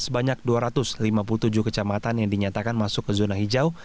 sebanyak dua ratus lima puluh tujuh kecamatan yang dinyatakan masuk ke zona hijau